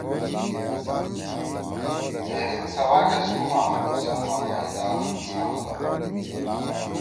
دھیرِین سَواگأ سُوم ما۔ سُوم ما پئیدا انسان ہُو۔